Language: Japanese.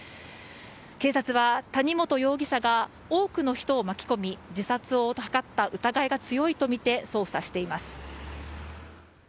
警察は、谷本容疑者が多くの人を巻き込み自殺を図った疑いが強いとみて捜査しています。